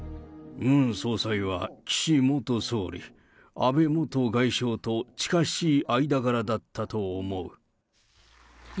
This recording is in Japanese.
ムン総裁は岸元総理、安倍元外相と近しい間柄だったと思う。